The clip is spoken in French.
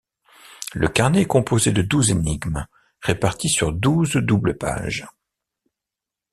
Le carnet est composé de douze énigmes, réparties sur douze double-pages.